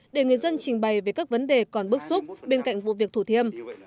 để người dân trình bày về các vấn đề còn bức xúc bên cạnh vụ việc thủ thiêm